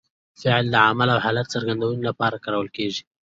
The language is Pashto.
فعل د عمل او حالت د څرګندوني له پاره کارول کېږي.